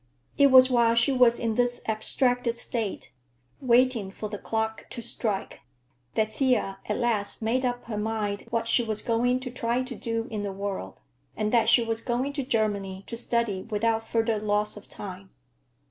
It was while she was in this abstracted state, waiting for the clock to strike, that Thea at last made up her mind what she was going to try to do in the world, and that she was going to Germany to study without further loss of time.